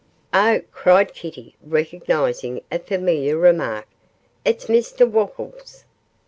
'Oh!' cried Kitty, recognising a familiar remark, 'it's Mr Wopples.